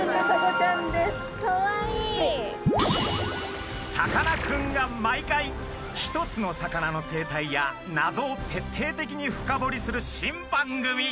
さかなクンが毎回一つの魚の生態や謎を徹底的に深掘りする新番組。